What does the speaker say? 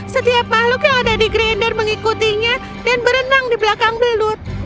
setiap makhluk yang ada di grinder mengikutinya dan berenang di belakang belut